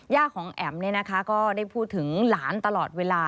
ญาติของแอ๋มเนี่ยนะคะก็ได้พูดถึงหลานตลอดเวลา